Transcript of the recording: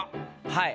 はい。